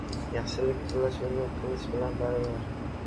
• Yaxshilik tilash uni qilish bilan baravar.